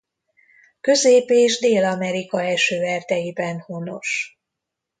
Közép és Dél-Amerika esőerdeiben honos.